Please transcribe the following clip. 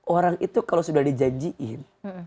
orang itu kalau sudah dijanjiin